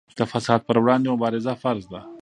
د فساد پر وړاندې مبارزه فرض ده.